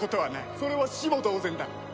それは死も同然だ。